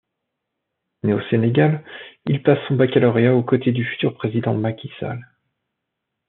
Né au Sénégal, il passe son baccalauréat aux côtés du futur président Macky Sall.